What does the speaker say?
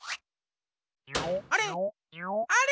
あれ？